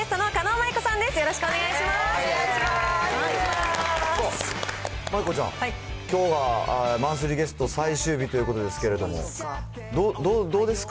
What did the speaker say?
舞子ちゃん、きょうはマンスリーゲスト最終日ということですけれども、どうですか？